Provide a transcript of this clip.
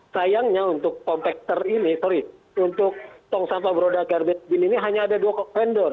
sayangnya untuk kompakter ini sorry untuk tong sampah beroda karbit bin ini hanya ada dua vendor